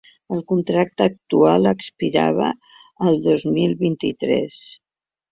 El contracte actual expirava el dos mil vint-i-tres.